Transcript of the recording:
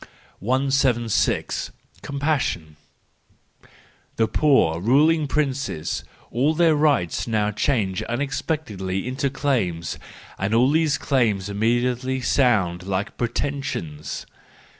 176. Compassion .—The poor, ruling princes! All their rights now change unexpectedly into claims, and all these claims immediately sound like preten¬ sions